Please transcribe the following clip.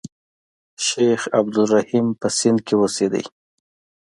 شیخ عبدالرحیم په سند کې اوسېدی.